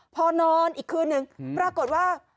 พอนอนอีกคืนนึงปรากฏว่า